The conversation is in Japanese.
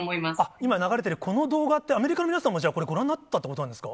今、流れてるこの動画って、アメリカの皆さんもこれ、ご覧になってたってことですか？